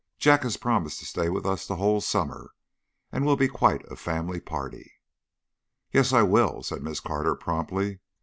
Jack has promised to stay with us the whole summer, and we'll be quite a family party." "Yes, I will," said Miss Carter, promptly.